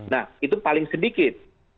nah itu paling sedikit